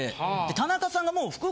田中さんがもう。